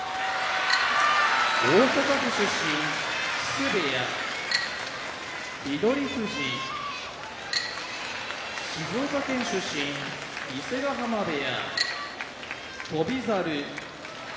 大阪府出身木瀬部屋翠富士静岡県出身伊勢ヶ濱部屋翔猿